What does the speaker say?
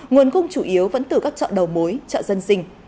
nguồn cung chủ yếu vẫn từ các chợ đầu mối chợ dân sinh